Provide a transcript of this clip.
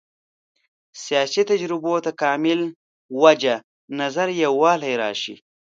سیاسي تجربو تکامل وجه نظر یووالی راشي.